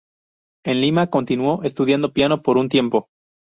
En Lima continuó estudiando piano por un tiempo.